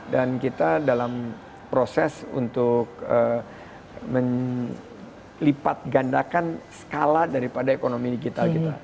dan kita dalam proses untuk melipatgandakan skala daripada ekonomi digital kita